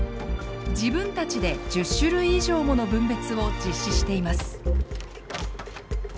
自分たちで１０種類以上もの分別を実施しています。